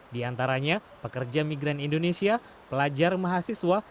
di antaranya pekerja migran indonesia pelajar mahasiswa